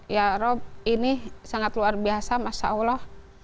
ya rob ini sangat luar biasa masya allah